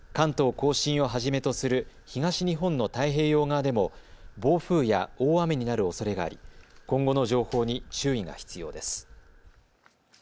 甲信をはじめとする東日本の太平洋側でも暴風や大雨になるおそれがあり今後の情報に注意が必要です。